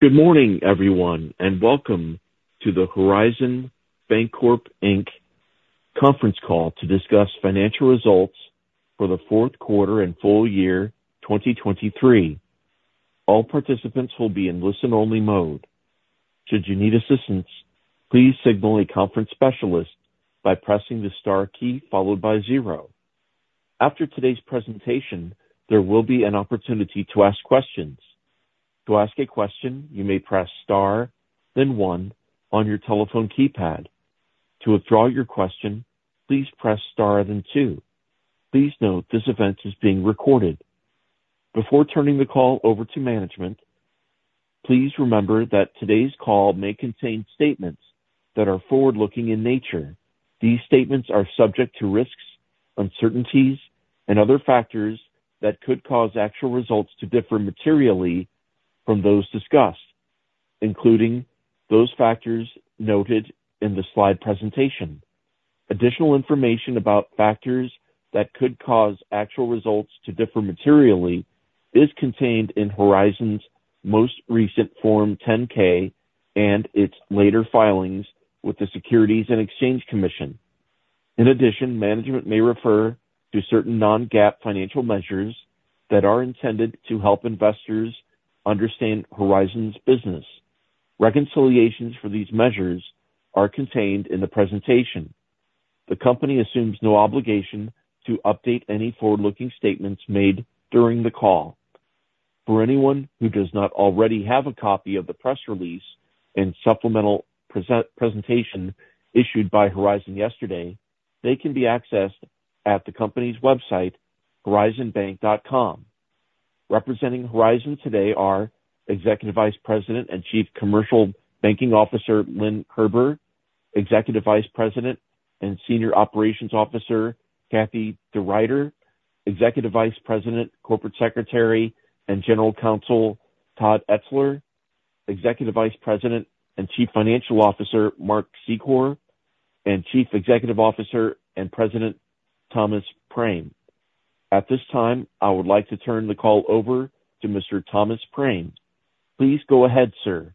Good morning, everyone, and welcome to the Horizon Bancorp, Inc. conference call to discuss financial results for the fourth quarter and full year 2023. All participants will be in listen-only mode. Should you need assistance, please signal a conference specialist by pressing the star key followed by zero. After today's presentation, there will be an opportunity to ask questions. To ask a question, you may press star, then one on your telephone keypad. To withdraw your question, please press star, then two. Please note, this event is being recorded. Before turning the call over to management, please remember that today's call may contain statements that are forward-looking in nature. These statements are subject to risks, uncertainties, and other factors that could cause actual results to differ materially from those discussed, including those factors noted in the slide presentation. Additional information about factors that could cause actual results to differ materially is contained in Horizon's most recent Form 10-K and its later filings with the Securities and Exchange Commission. In addition, management may refer to certain non-GAAP financial measures that are intended to help investors understand Horizon's business. Reconciliations for these measures are contained in the presentation. The company assumes no obligation to update any forward-looking statements made during the call. For anyone who does not already have a copy of the press release and supplemental presentation issued by Horizon yesterday, they can be accessed at the company's website, horizonbank.com. Representing Horizon today are Executive Vice President and Chief Commercial Banking Officer, Lynn Kerber; Executive Vice President and Senior Operations Officer, Kathie DeRuiter; Executive Vice President, Corporate Secretary and General Counsel, Todd Etzler; Executive Vice President and Chief Financial Officer, Mark Secor; and Chief Executive Officer and President, Thomas Prame. At this time, I would like to turn the call over to Mr. Thomas Prame. Please go ahead, sir.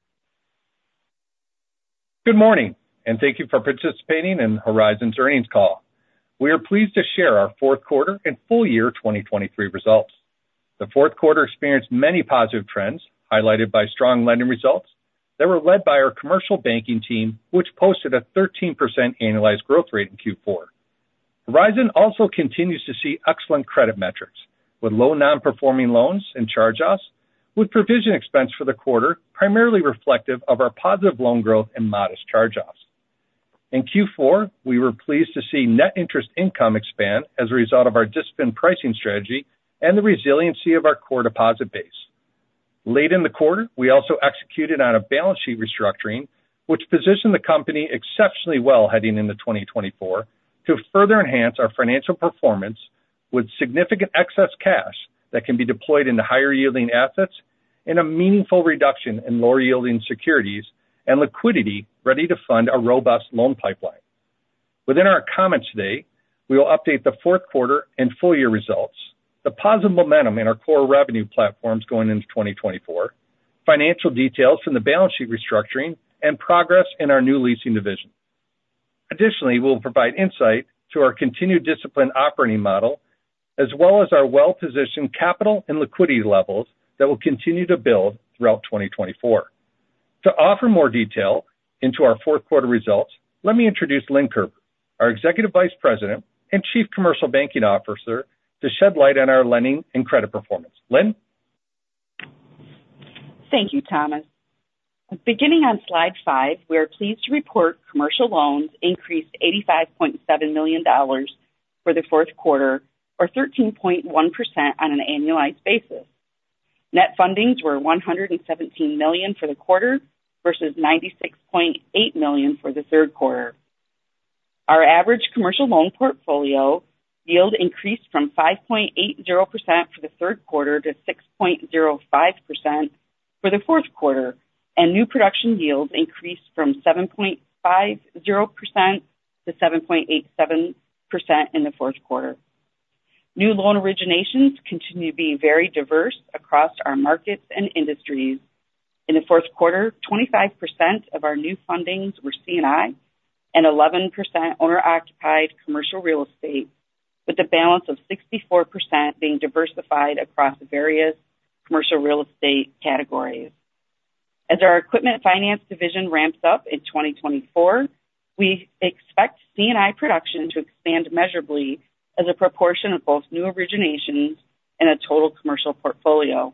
Good morning, and thank you for participating in Horizon's earnings call. We are pleased to share our fourth quarter and full year 2023 results. The fourth quarter experienced many positive trends, highlighted by strong lending results that were led by our commercial banking team, which posted a 13% annualized growth rate in Q4. Horizon also continues to see excellent credit metrics, with low non-performing loans and charge-offs, with provision expense for the quarter, primarily reflective of our positive loan growth and modest charge-offs. In Q4, we were pleased to see net interest income expand as a result of our disciplined pricing strategy and the resiliency of our core deposit base. Late in the quarter, we also executed on a balance sheet restructuring, which positioned the company exceptionally well heading into 2024 to further enhance our financial performance with significant excess cash that can be deployed into higher-yielding assets and a meaningful reduction in lower-yielding securities and liquidity ready to fund our robust loan pipeline. Within our comments today, we will update the fourth quarter and full year results, the positive momentum in our core revenue platforms going into 2024, financial details from the balance sheet restructuring and progress in our new leasing division. Additionally, we'll provide insight to our continued disciplined operating model, as well as our well-positioned capital and liquidity levels that will continue to build throughout 2024. To offer more detail into our fourth quarter results, let me introduce Lynn Kerber, our Executive Vice President and Chief Commercial Banking Officer, to shed light on our lending and credit performance. Lynn? Thank you, Thomas. Beginning on slide five, we are pleased to report commercial loans increased $85.7 million for the fourth quarter, or 13.1% on an annualized basis. Net fundings were $117 million for the quarter versus $96.8 million for the third quarter. Our average commercial loan portfolio yield increased from 5.80% for the third quarter to 6.05% for the fourth quarter, and new production yields increased from 7.50%-7.87% in the fourth quarter. New loan originations continue to be very diverse across our markets and industries. In the fourth quarter, 25% of our new fundings were C&I and 11% owner-occupied commercial real estate, with a balance of 64% being diversified across various commercial real estate categories. As our equipment finance division ramps up in 2024, we expect C&I production to expand measurably as a proportion of both new originations and a total commercial portfolio.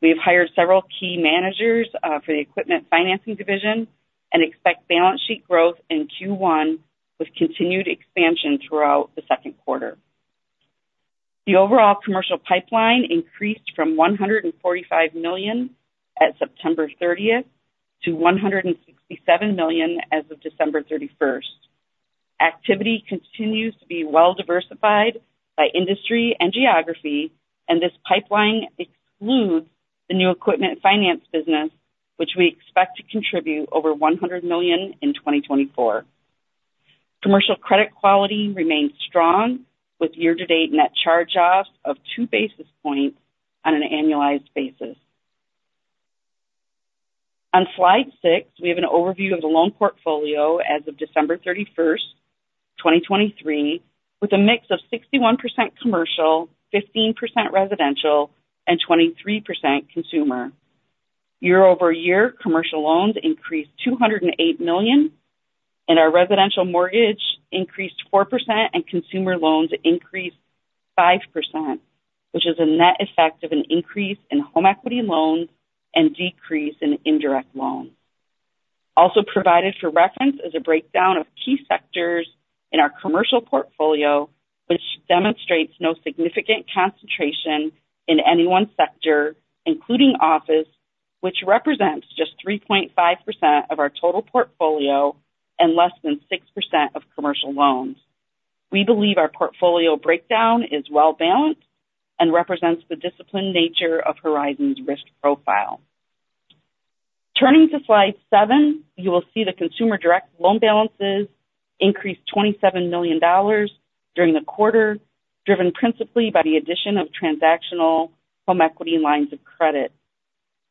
We have hired several key managers for the equipment financing division and expect balance sheet growth in Q1 with continued expansion throughout the second quarter. The overall commercial pipeline increased from $145 million at September 30th to $167 million as of December 31st. Activity continues to be well-diversified by industry and geography, and this pipeline excludes the new equipment finance business, which we expect to contribute over $100 million in 2024.... Commercial credit quality remains strong, with year-to-date net charge-offs of 2 basis points on an annualized basis. On slide six, we have an overview of the loan portfolio as of December 31st, 2023, with a mix of 61% commercial, 15% residential, and 23% consumer. Year-over-year, commercial loans increased $208 million, and our residential mortgage increased 4%, and consumer loans increased 5%, which is a net effect of an increase in home equity loans and decrease in indirect loans. Also provided for reference is a breakdown of key sectors in our commercial portfolio, which demonstrates no significant concentration in any one sector, including office, which represents just 3.5% of our total portfolio and less than 6% of commercial loans. We believe our portfolio breakdown is well-balanced and represents the disciplined nature of Horizon's risk profile. Turning to slide seven, you will see the consumer direct loan balances increased $27 million during the quarter, driven principally by the addition of transactional home equity lines of credit.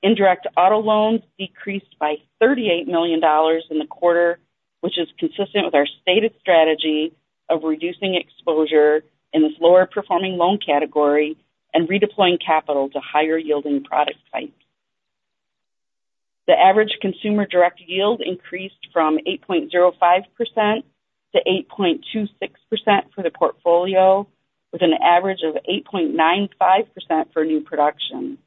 Indirect auto loans decreased by $38 million in the quarter, which is consistent with our stated strategy of reducing exposure in this lower-performing loan category and redeploying capital to higher-yielding product types. The average consumer direct yield increased from 8.05%-8.26% for the portfolio, with an average of 8.95% for new production.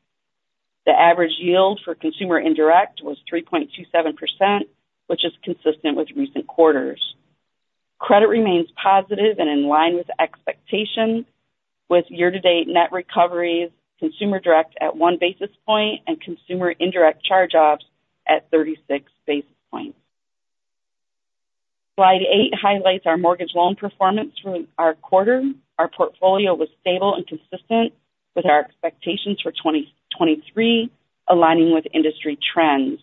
The average yield for consumer indirect was 3.27%, which is consistent with recent quarters. Credit remains positive and in line with expectations, with year-to-date net recoveries, consumer direct at 1 basis point and consumer indirect charge-offs at 36 basis points. Slide eight highlights our mortgage loan performance for our quarter. Our portfolio was stable and consistent with our expectations for 2023, aligning with industry trends.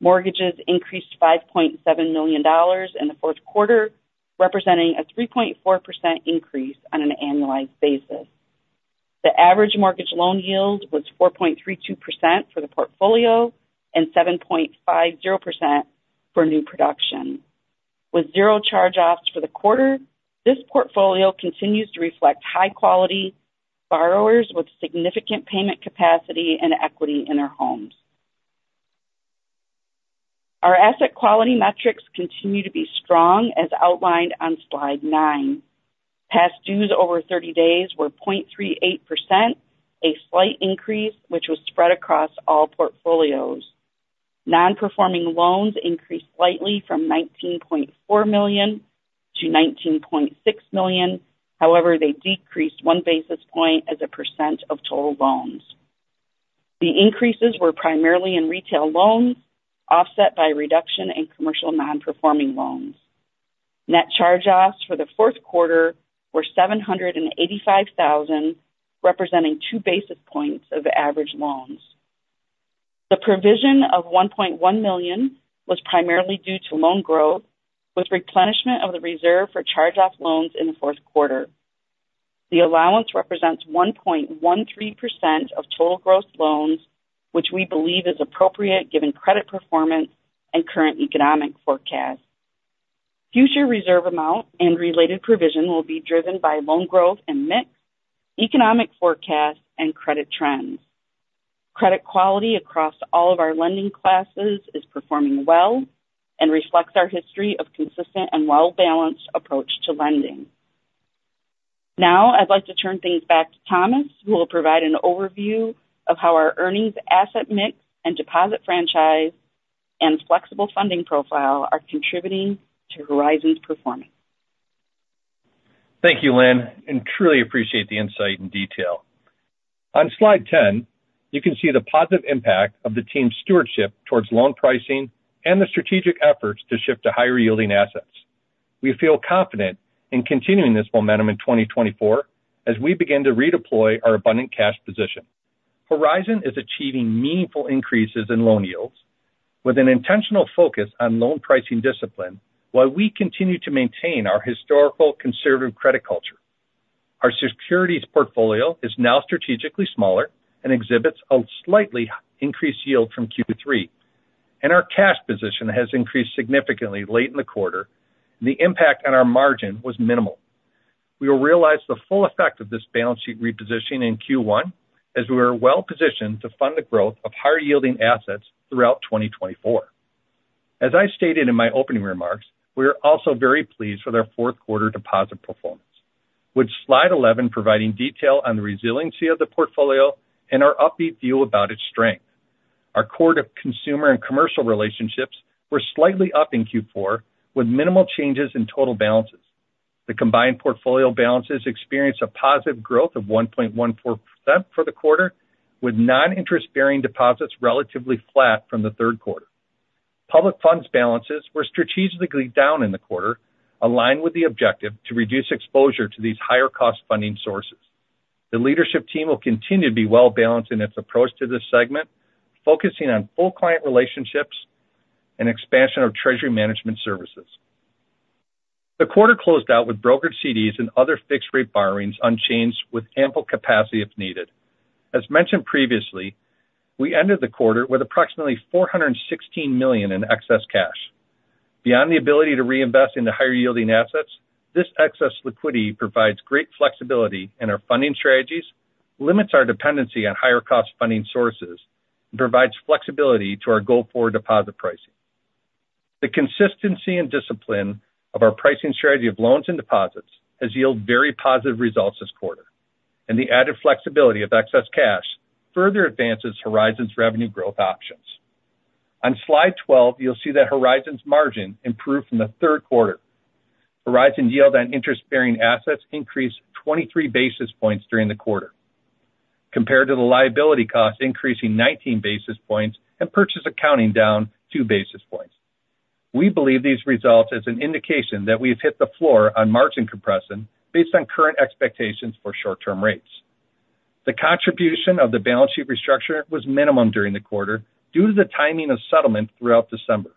Mortgages increased $5.7 million in the fourth quarter, representing a 3.4% increase on an annualized basis. The average mortgage loan yield was 4.32% for the portfolio and 7.50% for new production. With 0 charge-offs for the quarter, this portfolio continues to reflect high-quality borrowers with significant payment capacity and equity in their homes. Our asset quality metrics continue to be strong, as outlined on slide nine. Past dues over 30 days were 0.38%, a slight increase which was spread across all portfolios. Non-performing loans increased slightly from $19.4 million-$19.6 million. However, they decreased 1 basis point as a percent of total loans. The increases were primarily in retail loans, offset by a reduction in commercial non-performing loans. Net charge-offs for the fourth quarter were $785,000, representing 2 basis points of average loans. The provision of $1.1 million was primarily due to loan growth, with replenishment of the reserve for charge-off loans in the fourth quarter. The allowance represents 1.13% of total gross loans, which we believe is appropriate given credit performance and current economic forecasts. Future reserve amount and related provision will be driven by loan growth and mix, economic forecasts, and credit trends. Credit quality across all of our lending classes is performing well and reflects our history of consistent and well-balanced approach to lending. Now, I'd like to turn things back to Thomas, who will provide an overview of how our earnings, asset mix, and deposit franchise and flexible funding profile are contributing to Horizon's performance. Thank you, Lynn, and truly appreciate the insight and detail. On slide 10, you can see the positive impact of the team's stewardship towards loan pricing and the strategic efforts to shift to higher-yielding assets. We feel confident in continuing this momentum in 2024 as we begin to redeploy our abundant cash position. Horizon is achieving meaningful increases in loan yields with an intentional focus on loan pricing discipline, while we continue to maintain our historical conservative credit culture. Our securities portfolio is now strategically smaller and exhibits a slightly increased yield from Q3, and our cash position has increased significantly late in the quarter, and the impact on our margin was minimal. We will realize the full effect of this balance sheet repositioning in Q1, as we are well positioned to fund the growth of higher-yielding assets throughout 2024. As I stated in my opening remarks, we are also very pleased with our fourth quarter deposit performance, with slide 11 providing detail on the resiliency of the portfolio and our upbeat view about its strength. Our core consumer and commercial relationships were slightly up in Q4, with minimal changes in total balances. The combined portfolio balances experienced a positive growth of 1.14% for the quarter, with non-interest-bearing deposits relatively flat from the third quarter. Public funds balances were strategically down in the quarter, aligned with the objective to reduce exposure to these higher-cost funding sources. The leadership team will continue to be well-balanced in its approach to this segment, focusing on full client relationships and expansion of treasury management services. The quarter closed out with brokered CDs and other fixed-rate borrowings unchanged, with ample capacity if needed. As mentioned previously, we ended the quarter with approximately $416 million in excess cash. Beyond the ability to reinvest in the higher-yielding assets, this excess liquidity provides great flexibility in our funding strategies, limits our dependency on higher-cost funding sources, and provides flexibility to our go-forward deposit pricing. The consistency and discipline of our pricing strategy of loans and deposits has yielded very positive results this quarter, and the added flexibility of excess cash further advances Horizon's revenue growth options. On slide 12, you'll see that Horizon's margin improved from the third quarter. Horizon yield on interest-bearing assets increased 23 basis points during the quarter, compared to the liability cost increasing 19 basis points and purchase accounting down 2 basis points. We believe these results as an indication that we've hit the floor on margin compression based on current expectations for short-term rates. The contribution of the balance sheet restructure was minimal during the quarter due to the timing of settlement throughout December,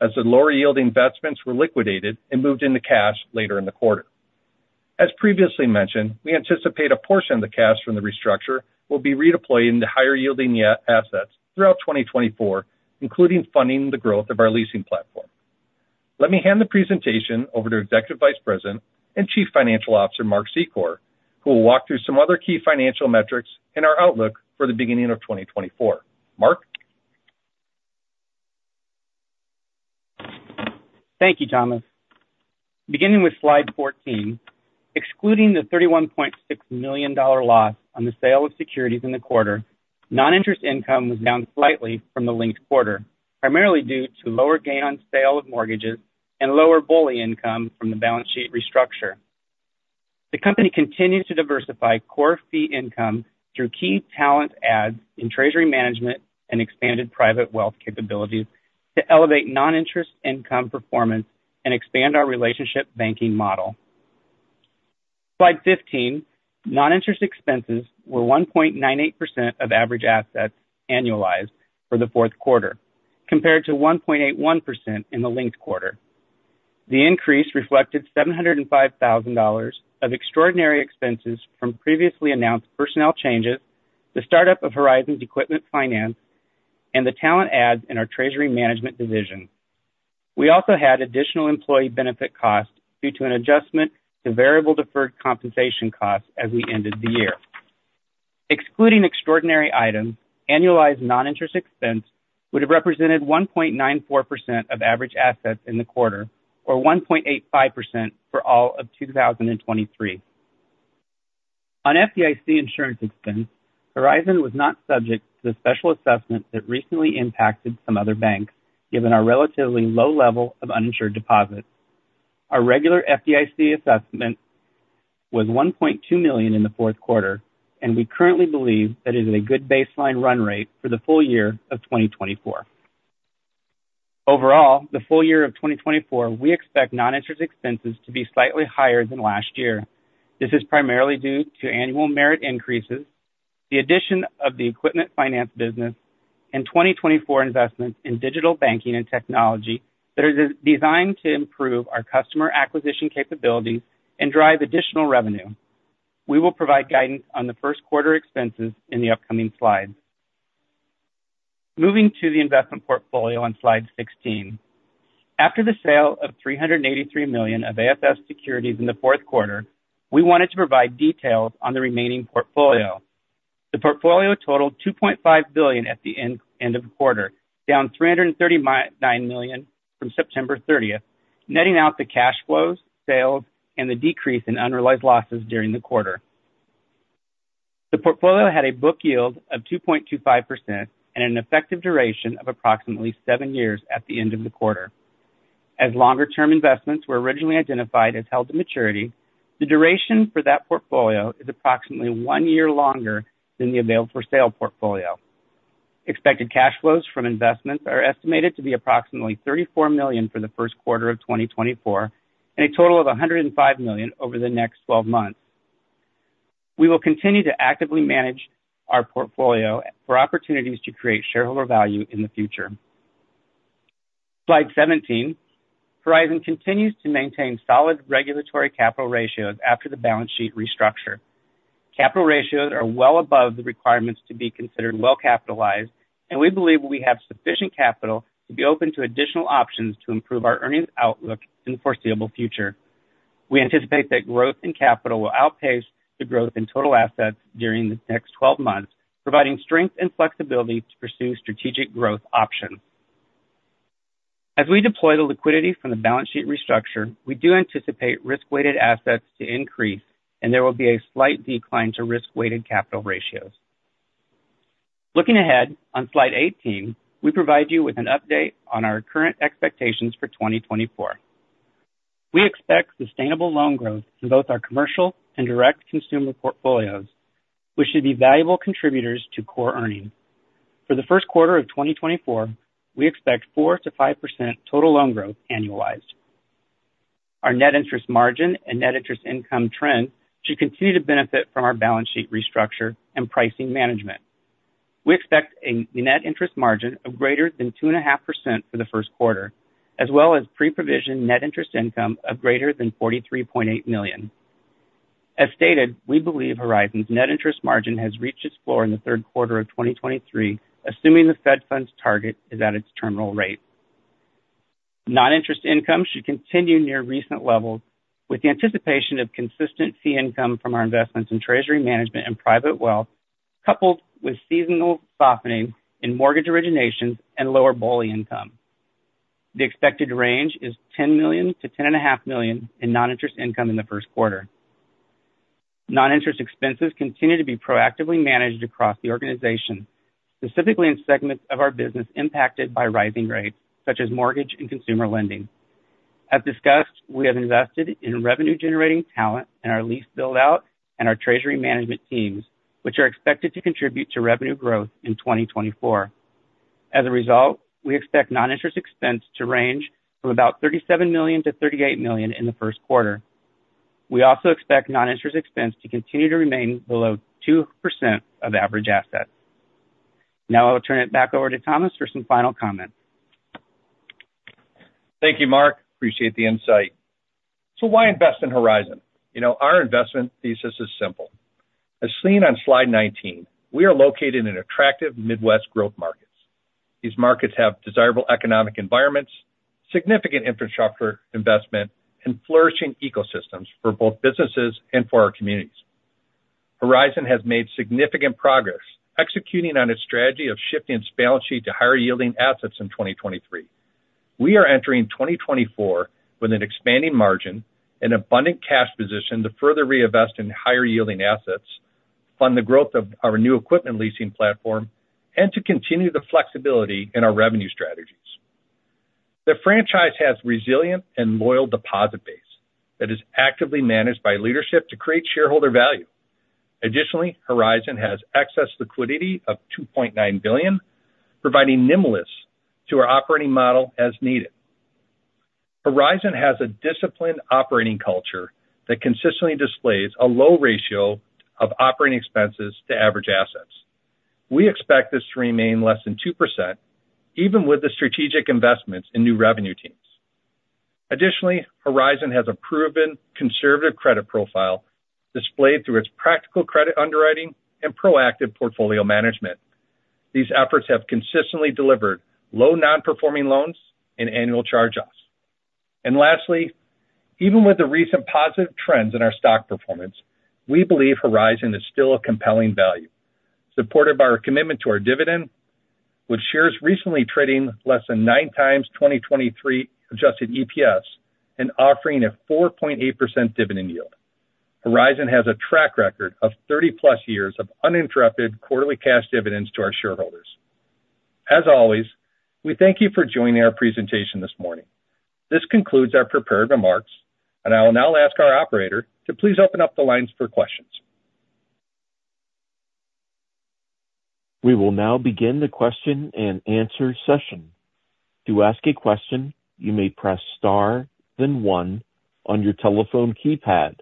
as the lower-yielding investments were liquidated and moved into cash later in the quarter. As previously mentioned, we anticipate a portion of the cash from the restructure will be redeployed into higher-yielding assets throughout 2024, including funding the growth of our leasing platform. Let me hand the presentation over to Executive Vice President and Chief Financial Officer, Mark Secor, who will walk through some other key financial metrics and our outlook for the beginning of 2024. Mark? Thank you, Thomas. Beginning with slide 14, excluding the $31.6 million loss on the sale of securities in the quarter, non-interest income was down slightly from the linked quarter, primarily due to lower gain on sale of mortgages and lower BOLI income from the balance sheet restructure. The company continues to diversify core fee income through key talent adds in treasury management and expanded private wealth capabilities to elevate non-interest income performance and expand our relationship banking model. Slide 15, non-interest expenses were 1.98% of average assets annualized for the fourth quarter, compared to 1.81% in the linked quarter. The increase reflected $705,000 of extraordinary expenses from previously announced personnel changes, the startup of Horizon's equipment finance, and the talent adds in our treasury management division. We also had additional employee benefit costs due to an adjustment to variable deferred compensation costs as we ended the year. Excluding extraordinary items, annualized non-interest expense would have represented 1.94% of average assets in the quarter, or 1.85% for all of 2023. On FDIC insurance expense, Horizon was not subject to the special assessment that recently impacted some other banks, given our relatively low level of uninsured deposits. Our regular FDIC assessment was $1.2 million in the fourth quarter, and we currently believe that is a good baseline run rate for the full year of 2024. Overall, the full year of 2024, we expect non-interest expenses to be slightly higher than last year. This is primarily due to annual merit increases, the addition of the equipment finance business, and 2024 investments in digital banking and technology that is designed to improve our customer acquisition capabilities and drive additional revenue. We will provide guidance on the first quarter expenses in the upcoming slides. Moving to the investment portfolio on slide 16. After the sale of $383 million of AFS securities in the fourth quarter, we wanted to provide details on the remaining portfolio. The portfolio totaled $2.5 billion at the end of the quarter, down $339 million from September 30th, netting out the cash flows, sales, and the decrease in unrealized losses during the quarter. The portfolio had a book yield of 2.25% and an effective duration of approximately seven years at the end of the quarter. As longer-term investments were originally identified as held to maturity, the duration for that portfolio is approximately one year longer than the available for sale portfolio. Expected cash flows from investments are estimated to be approximately $34 million for the first quarter of 2024, and a total of $105 million over the next 12 months. We will continue to actively manage our portfolio for opportunities to create shareholder value in the future. Slide 17, Horizon continues to maintain solid regulatory capital ratios after the balance sheet restructure. Capital ratios are well above the requirements to be considered well-capitalized, and we believe we have sufficient capital to be open to additional options to improve our earnings outlook in the foreseeable future. We anticipate that growth in capital will outpace the growth in total assets during the next twelve months, providing strength and flexibility to pursue strategic growth options. As we deploy the liquidity from the balance sheet restructure, we do anticipate Risk-Weighted Assets to increase, and there will be a slight decline to Risk-Weighted Capital Ratios. Looking ahead, on slide 18, we provide you with an update on our current expectations for 2024. We expect sustainable loan growth in both our commercial and direct consumer portfolios, which should be valuable contributors to core earnings. For the first quarter of 2024, we expect 4%-5% total loan growth annualized.... Our net interest margin and net interest income trend should continue to benefit from our balance sheet restructure and pricing management. We expect a net interest margin of greater than 2.5% for the first quarter, as well as pre-provision net interest income of greater than $43.8 million. As stated, we believe Horizon's net interest margin has reached its floor in the third quarter of 2023, assuming the Fed Funds target is at its terminal rate. Non-interest income should continue near recent levels, with the anticipation of consistent fee income from our investments in treasury management and private wealth, coupled with seasonal softening in mortgage originations and lower BOLI income. The expected range is $10 million-$10.5 million in non-interest income in the first quarter. Non-interest expenses continue to be proactively managed across the organization, specifically in segments of our business impacted by rising rates, such as mortgage and consumer lending. As discussed, we have invested in revenue-generating talent in our lease build-out and our treasury management teams, which are expected to contribute to revenue growth in 2024. As a result, we expect non-interest expense to range from about $37 million-$38 million in the first quarter. We also expect non-interest expense to continue to remain below 2% of average assets. Now I'll turn it back over to Thomas for some final comments. Thank you, Mark. Appreciate the insight. So why invest in Horizon? You know, our investment thesis is simple. As seen on slide 19, we are located in attractive Midwest growth markets. These markets have desirable economic environments, significant infrastructure investment, and flourishing ecosystems for both businesses and for our communities. Horizon has made significant progress executing on its strategy of shifting its balance sheet to higher yielding assets in 2023. We are entering 2024 with an expanding margin and abundant cash position to further reinvest in higher yielding assets, fund the growth of our new equipment leasing platform, and to continue the flexibility in our revenue strategies. The franchise has resilient and loyal deposit base that is actively managed by leadership to create shareholder value. Additionally, Horizon has excess liquidity of $2.9 billion, providing nimbleness to our operating model as needed. Horizon has a disciplined operating culture that consistently displays a low ratio of operating expenses to average assets. We expect this to remain less than 2%, even with the strategic investments in new revenue teams. Additionally, Horizon has a proven conservative credit profile displayed through its practical credit underwriting and proactive portfolio management. These efforts have consistently delivered low non-performing loans and annual charge-offs. And lastly, even with the recent positive trends in our stock performance, we believe Horizon is still a compelling value, supported by our commitment to our dividend, with shares recently trading less than 9x 2023 adjusted EPS and offering a 4.8% dividend yield. Horizon has a track record of 30+ years of uninterrupted quarterly cash dividends to our shareholders. As always, we thank you for joining our presentation this morning. This concludes our prepared remarks, and I will now ask our operator to please open up the lines for questions. We will now begin the question and answer session. To ask a question, you may press star, then one on your telephone keypad.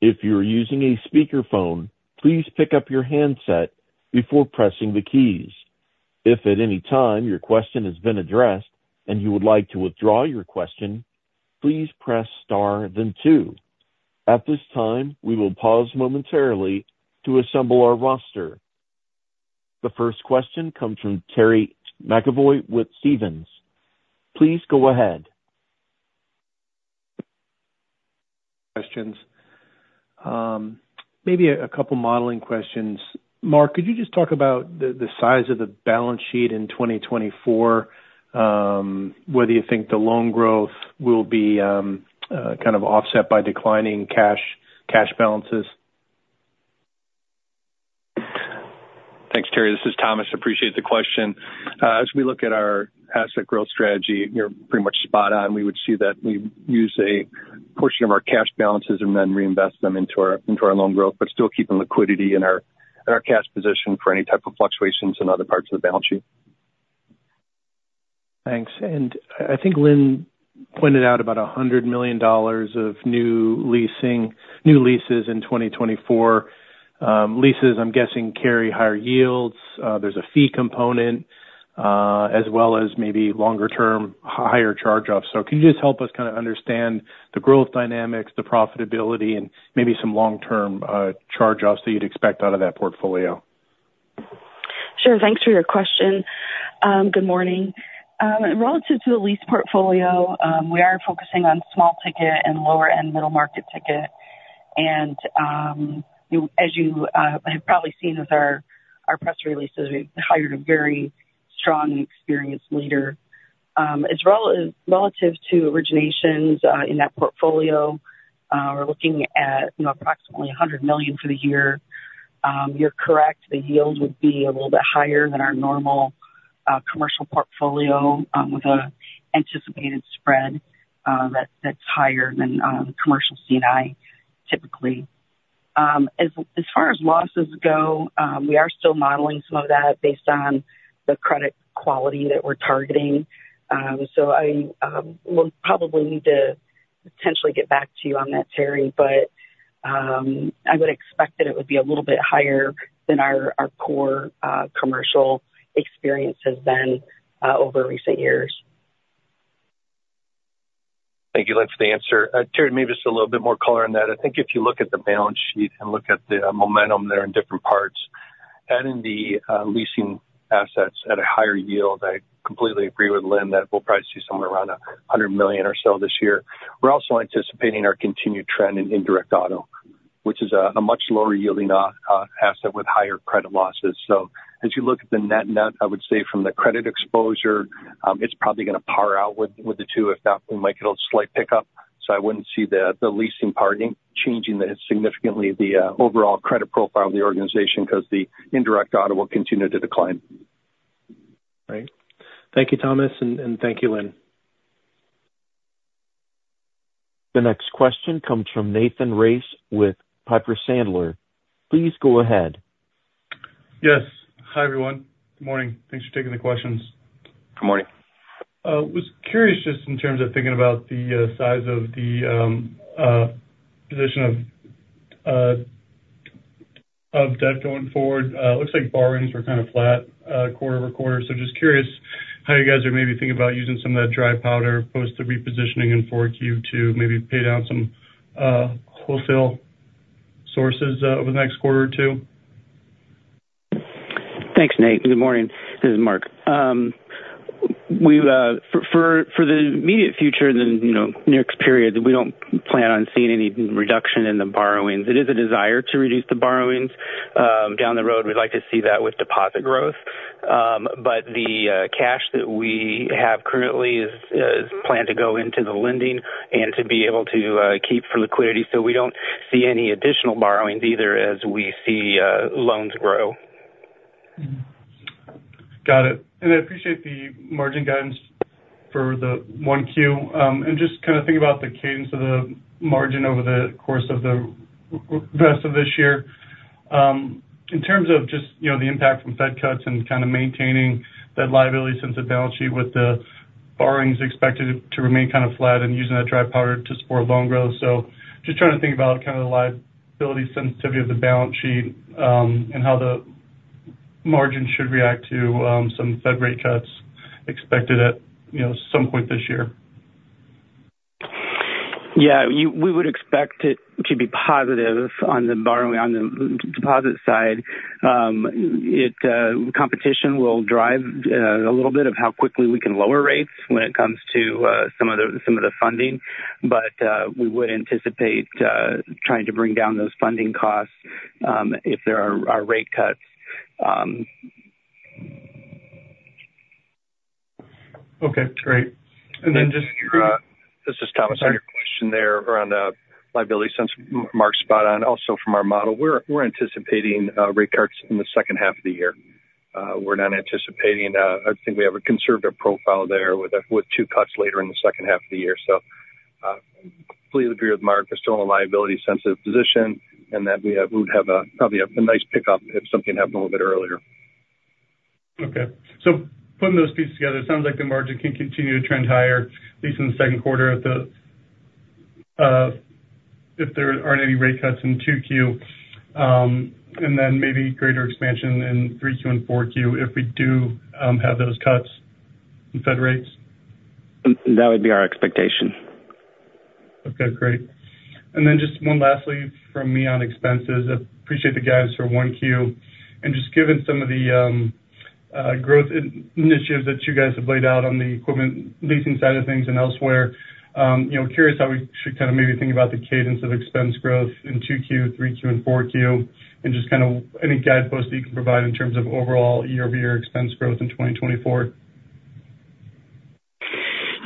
If you're using a speakerphone, please pick up your handset before pressing the keys. If at any time your question has been addressed and you would like to withdraw your question, please press star then two. At this time, we will pause momentarily to assemble our roster. The first question comes from Terry McEvoy with Stephens. Please go ahead. Questions. Maybe a couple modeling questions. Mark, could you just talk about the size of the balance sheet in 2024? Whether you think the loan growth will be kind of offset by declining cash balances? Thanks, Terry. This is Thomas. Appreciate the question. As we look at our asset growth strategy, you're pretty much spot on. We would see that we use a portion of our cash balances and then reinvest them into our, into our loan growth, but still keeping liquidity in our, in our cash position for any type of fluctuations in other parts of the balance sheet. Thanks. And I, I think Lynn pointed out about $100 million of new leasing- new leases in 2024. Leases, I'm guessing, carry higher yields. There's a fee component, as well as maybe longer term, higher charge-offs. So can you just help us kind of understand the growth dynamics, the profitability, and maybe some long-term charge-offs that you'd expect out of that portfolio? Sure. Thanks for your question. Good morning. Relative to the lease portfolio, we are focusing on small ticket and lower-end middle market ticket. And, as you have probably seen with our press releases, we've hired a very strong and experienced leader. Relative to originations in that portfolio, we're looking at, you know, approximately $100 million for the year. You're correct, the yield would be a little bit higher than our normal commercial portfolio, with a anticipated spread that's higher than the commercial C&I typically.... As far as losses go, we are still modeling some of that based on the credit quality that we're targeting. So I will probably need to potentially get back to you on that, Terry, but I would expect that it would be a little bit higher than our core commercial experience has been over recent years. Thank you, Lynn, for the answer. Terry, maybe just a little bit more color on that. I think if you look at the balance sheet and look at the momentum there in different parts, adding the leasing assets at a higher yield, I completely agree with Lynn that we'll probably see somewhere around $100 million or so this year. We're also anticipating our continued trend in indirect auto, which is a much lower yielding asset with higher credit losses. So as you look at the net-net, I would say from the credit exposure, it's probably going to par out with the two, if not, we might get a slight pickup. So I wouldn't see the leasing part changing significantly the overall credit profile of the organization, because the indirect auto will continue to decline. Great. Thank you, Thomas, and thank you, Lynn. The next question comes from Nathan Race with Piper Sandler. Please go ahead. Yes. Hi, everyone. Good morning. Thanks for taking the questions. Good morning. Was curious just in terms of thinking about the size of the position of debt going forward. It looks like borrowings were kind of flat quarter-over-quarter. So just curious how you guys are maybe thinking about using some of that dry powder post the repositioning in 4Q to maybe pay down some wholesale sources over the next quarter or two. Thanks, Nate. Good morning. This is Mark. We've for the immediate future and then, you know, next period, we don't plan on seeing any reduction in the borrowings. It is a desire to reduce the borrowings down the road. We'd like to see that with deposit growth. But the cash that we have currently is planned to go into the lending and to be able to keep for liquidity, so we don't see any additional borrowings either as we see loans grow. Got it. And I appreciate the margin guidance for the 1Q. And just kind of think about the cadence of the margin over the course of the rest of this year. In terms of just, you know, the impact from Fed cuts and kind of maintaining that liability side of the balance sheet with the borrowings expected to remain kind of flat and using that dry powder to support loan growth. So just trying to think about kind of the liability sensitivity of the balance sheet, and how the margin should react to some Fed rate cuts expected at, you know, some point this year. Yeah, we would expect it to be positive on the borrowing, on the deposit side. It, competition will drive a little bit of how quickly we can lower rates when it comes to some of the funding. But, we would anticipate trying to bring down those funding costs, if there are rate cuts. Okay, great. And then just- This is Thomas, on your question there around liability sense, Mark's spot on. Also, from our model, we're anticipating rate cuts in the second half of the year. We're not anticipating, I think we have a conservative profile there with two cuts later in the second half of the year. So, completely agree with Mark. We're still in a liability-sensitive position, and that we would have a probably a nice pickup if something happened a little bit earlier. Okay. So putting those pieces together, it sounds like the margin can continue to trend higher, at least in the second quarter, if there aren't any rate cuts in 2Q, and then maybe greater expansion in 3Q and 4Q, if we do have those cuts in Fed rates. That would be our expectation. Okay, great. And then just one lastly from me on expenses. I appreciate the guidance for 1Q. And just given some of the growth initiatives that you guys have laid out on the equipment leasing side of things and elsewhere, you know, curious how we should kind of maybe think about the cadence of expense growth in 2Q, 3Q, and 4Q, and just kind of any guideposts that you can provide in terms of overall year-over-year expense growth in 2024.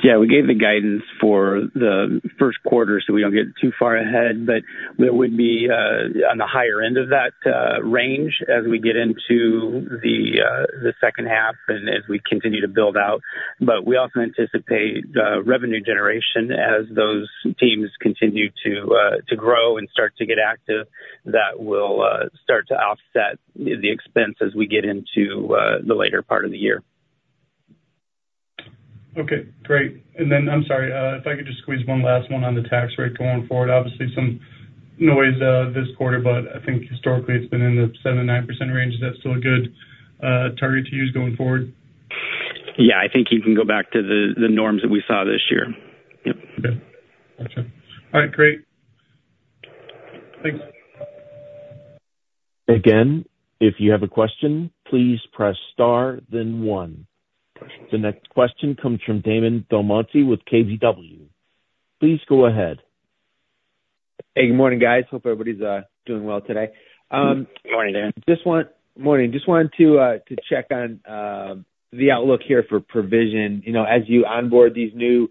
Yeah, we gave the guidance for the first quarter, so we don't get too far ahead, but that would be on the higher end of that range as we get into the second half and as we continue to build out. But we also anticipate revenue generation as those teams continue to grow and start to get active. That will start to offset the expense as we get into the later part of the year. Okay, great. And then I'm sorry, if I could just squeeze one last one on the tax rate going forward. Obviously, some noise, this quarter, but I think historically it's been in the 7%-9% range. Is that still a good target to use going forward? Yeah, I think you can go back to the norms that we saw this year. Yep. Okay. Gotcha. All right, great. Thanks. Again, if you have a question, please press star then one. The next question comes from Damon DelMonte with KBW. Please go ahead. Hey, good morning, guys. Hope everybody's doing well today. Good morning, Damon. Good morning. Just wanted to check on the outlook here for provision. You know, as you onboard these new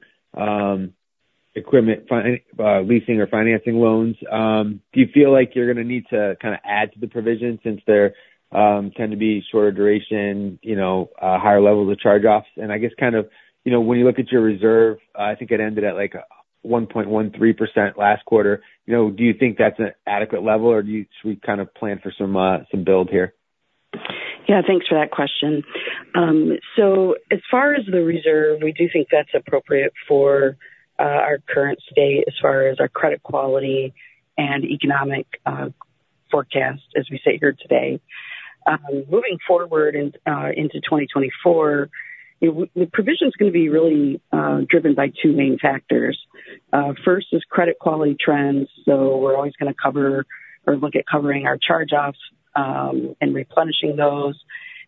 equipment leasing or financing loans, do you feel like you're going to need to kind of add to the provision since they tend to be shorter duration, you know, higher levels of charge-offs? And I guess kind of, you know, when you look at your reserve, I think it ended at, like, 1.13% last quarter. You know, do you think that's an adequate level, or do you kind of plan for some some build here?... Yeah, thanks for that question. So as far as the reserve, we do think that's appropriate for our current state as far as our credit quality and economic forecast, as we sit here today. Moving forward into 2024, the provision is going to be really driven by two main factors. First is credit quality trends. So we're always going to cover or look at covering our charge-offs, and replenishing those,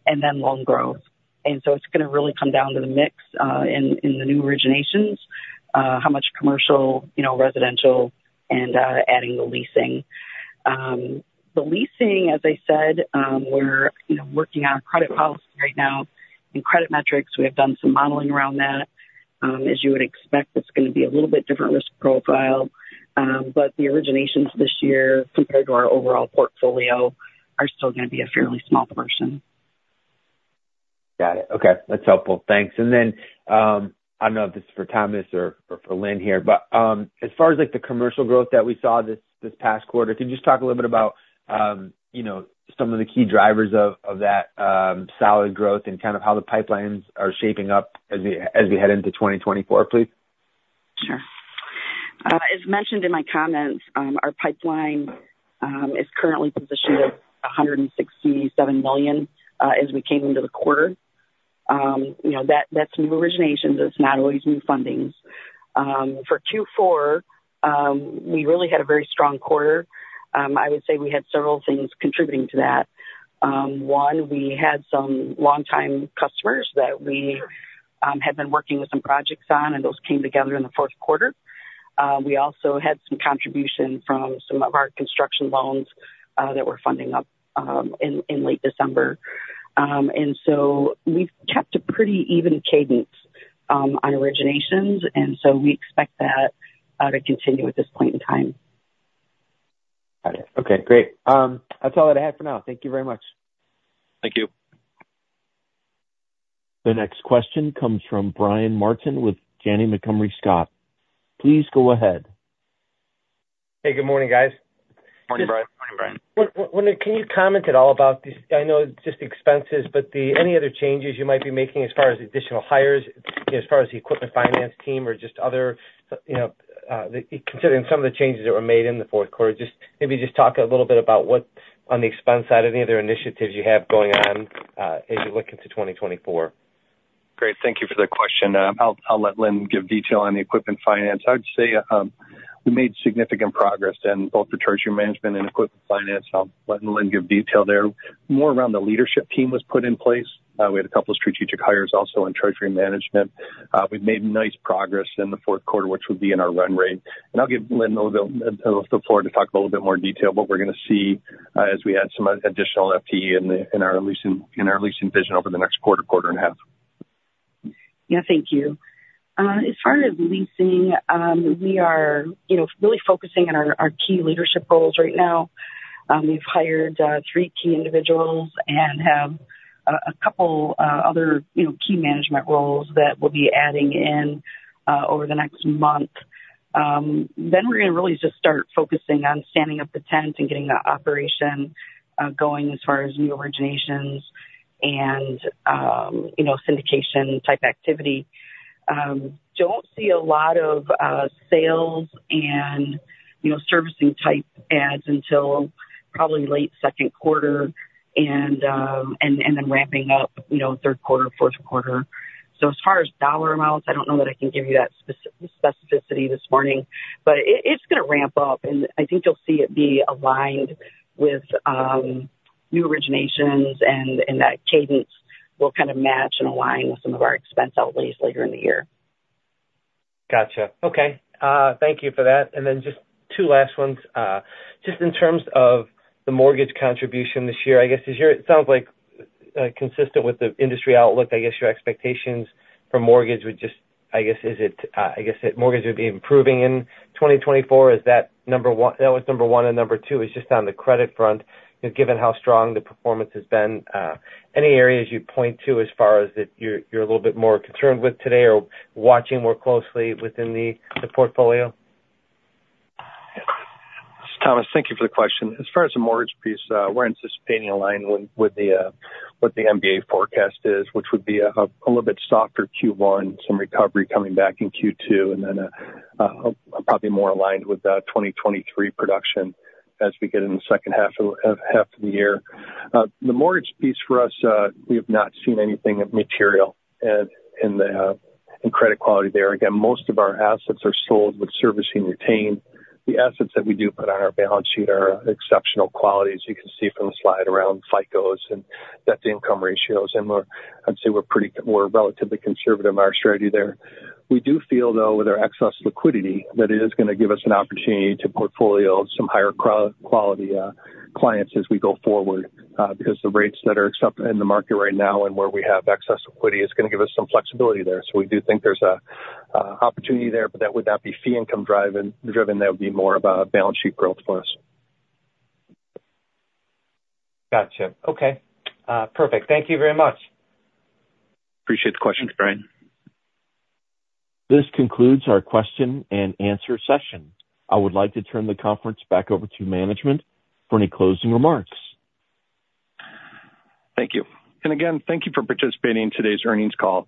and then loan growth. And so it's going to really come down to the mix in the new originations, how much commercial, you know, residential and adding the leasing. The leasing, as I said, we're, you know, working on our credit policy right now and credit metrics. We have done some modeling around that. As you would expect, it's going to be a little bit different risk profile. But the originations this year, compared to our overall portfolio, are still going to be a fairly small portion. Got it. Okay, that's helpful. Thanks. And then, I don't know if this is for Thomas or, or for Lynn here, but, as far as, like, the commercial growth that we saw this, this past quarter, can you just talk a little bit about, you know, some of the key drivers of, of that, solid growth and kind of how the pipelines are shaping up as we, as we head into 2024, please? Sure. As mentioned in my comments, our pipeline is currently positioned at $167 million, as we came into the quarter. You know, that's new originations. It's not always new fundings. For Q4, we really had a very strong quarter. I would say we had several things contributing to that. One, we had some longtime customers that we had been working with some projects on, and those came together in the fourth quarter. We also had some contribution from some of our construction loans that were funding up in late December. And so we've kept a pretty even cadence on originations, and so we expect that to continue at this point in time. Got it. Okay, great. That's all that I have for now. Thank you very much. Thank you. The next question comes from Brian Martin with Janney Montgomery Scott. Please go ahead. Hey, good morning, guys. Morning, Brian. Morning, Brian. Well, can you comment at all about this? I know it's just expenses, but any other changes you might be making as far as additional hires, as far as the equipment finance team or just other, you know, considering some of the changes that were made in the fourth quarter, just maybe just talk a little bit about what on the expense side, any other initiatives you have going on, as you look into 2024? Great. Thank you for the question. I'll let Lynn give detail on the equipment finance. I'd say, we made significant progress in both the treasury management and equipment finance. I'll let Lynn give detail there. More around the leadership team was put in place. We had a couple of strategic hires also in treasury management. We've made nice progress in the fourth quarter, which would be in our run rate. And I'll give Lynn the floor to talk about a little bit more detail, but we're going to see, as we add some additional FTE in our leasing division over the next quarter, quarter and a half. Yeah. Thank you. As far as leasing, we are, you know, really focusing on our, our key leadership roles right now. We've hired three key individuals and have a couple other, you know, key management roles that we'll be adding in over the next month. Then we're going to really just start focusing on standing up the tent and getting the operation going as far as new originations and, you know, syndication type activity. Don't see a lot of sales and, you know, servicing type adds until probably late second quarter and then ramping up, you know, third quarter, fourth quarter. As far as dollar amounts, I don't know that I can give you that specificity this morning, but it's going to ramp up, and I think you'll see it be aligned with new originations and that cadence will kind of match and align with some of our expense outlays later in the year. Gotcha. Okay, thank you for that. And then just two last ones. Just in terms of the mortgage contribution this year, I guess this year it sounds like consistent with the industry outlook, I guess your expectations for mortgage would just... I guess, is it mortgage would be improving in 2024. Is that number one? That was number one and number two is just on the credit front, given how strong the performance has been, any areas you'd point to as far as that you're a little bit more concerned with today or watching more closely within the portfolio? Thomas, thank you for the question. As far as the mortgage piece, we're anticipating in line with what the MBA forecast is, which would be a little bit softer Q1, some recovery coming back in Q2, and then probably more aligned with 2023 production as we get in the second half of the year. The mortgage piece for us, we have not seen anything of material in credit quality there. Again, most of our assets are sold with servicing retained. The assets that we do put on our balance sheet are exceptional quality, as you can see from the slide around FICOs and debt-to-income ratios. And I'd say we're relatively conservative in our strategy there. We do feel, though, with our excess liquidity, that it is going to give us an opportunity to portfolio some higher quality clients as we go forward, because the rates that are accepted in the market right now and where we have excess liquidity is going to give us some flexibility there. So we do think there's an opportunity there, but that would not be fee income driven. That would be more about balance sheet growth for us. Gotcha. Okay. Perfect. Thank you very much. Appreciate the question, Brian. This concludes our question and answer session. I would like to turn the conference back over to management for any closing remarks. Thank you. And again, thank you for participating in today's earnings call.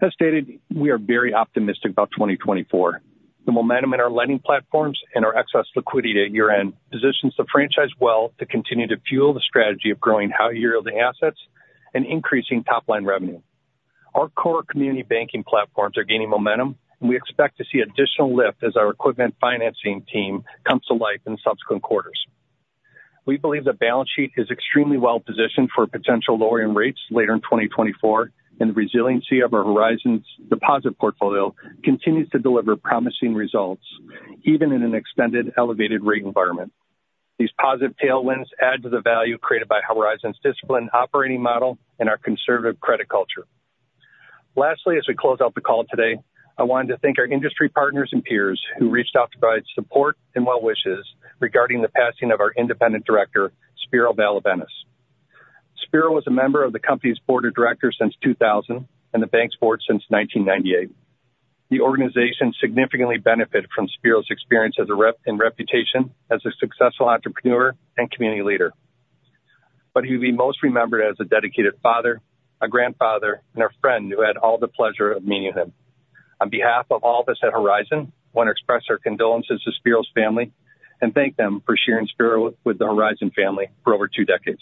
As stated, we are very optimistic about 2024. The momentum in our lending platforms and our excess liquidity at year-end positions the franchise well to continue to fuel the strategy of growing high yielding assets and increasing top line revenue. Our core community banking platforms are gaining momentum, and we expect to see additional lift as our equipment financing team comes to life in subsequent quarters. We believe the balance sheet is extremely well positioned for a potential lower in rates later in 2024, and the resiliency of our Horizon's deposit portfolio continues to deliver promising results, even in an extended elevated rate environment. These positive tailwinds add to the value created by Horizon's disciplined operating model and our conservative credit culture. Lastly, as we close out the call today, I wanted to thank our industry partners and peers who reached out to provide support and well wishes regarding the passing of our independent director, Spero Valavanis. Spero was a member of the company's board of directors since 2000 and the bank's board since 1998. The organization significantly benefited from Spero's experience as a rep and reputation as a successful entrepreneur and community leader. But he'll be most remembered as a dedicated father, a grandfather, and a friend who had all the pleasure of meeting him. On behalf of all of us at Horizon, want to express our condolences to Spero's family and thank them for sharing Spero with the Horizon family for over two decades.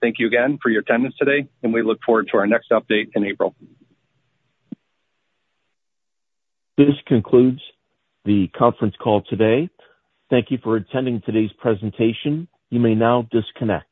Thank you again for your attendance today, and we look forward to our next update in April. This concludes the conference call today. Thank you for attending today's presentation. You may now disconnect.